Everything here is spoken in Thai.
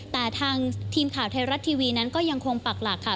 แต่ทางทีมข่าวไทยรัฐทีวีนั้นก็ยังคงปักหลักค่ะ